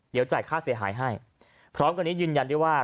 เดี๋ยวจ่ายค่าเสียหายให้พร้อมกันนี้ยืนยันได้ว่า